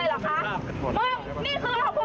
โอ้โหโอ้โหโอ้โห